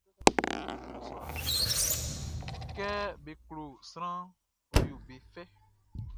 Kɛ be klo sranʼn, ɔ yo be fɛ.